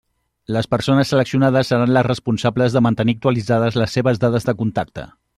Les persones seleccionades seran les responsables de mantenir actualitzades les seves dades de contacte.